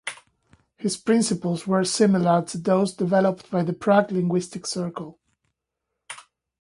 His principles were similar to those developed by the Prague linguistic circle.